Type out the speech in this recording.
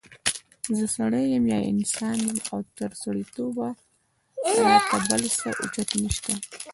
زه سړی یا انسان يم او تر سړیتوبه را ته بل څه اوچت نشته